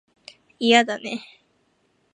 嫌だね